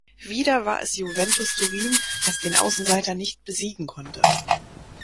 Wieder war es Juventus Turin, das den Außenseiter nicht besiegen konnte.